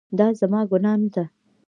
دا زما ګناه نه ده